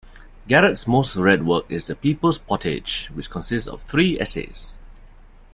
Garrett's most-read work is "The People's Pottage", which consists of three essays.